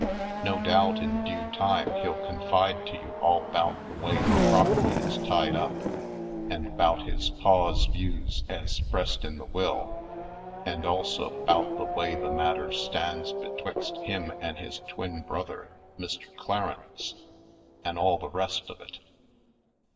"No doubt in due time he'll confide to you all 'bout the way the property is tied up an' 'bout his paw's views ez 'spressed in the will, an' also 'bout the way the matter stands be Lady Like! 207 twixt him an' his twin brother, Mr. Clar ence, an' all the rest of it."